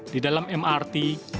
di dalam mrt